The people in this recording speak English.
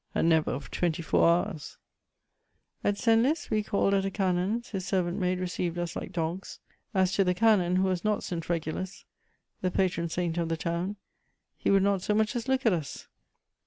A "never" of twenty four hours! At Senlis we called at a canon's: his servant maid received us like dogs; as to the canon, who was not St. Regulus, the patron saint of the town, he would not so much as look at us.